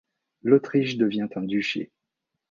L'Autriche devient un duché.